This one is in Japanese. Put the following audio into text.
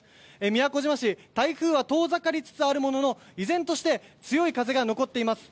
宮古島市台風は遠ざかりつつあるものの依然として強い風が残っています。